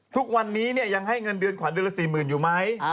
ทุกวันนี้ยังให้เงินเดือนขวัญเดือนละ๔๐๐๐อยู่ไหม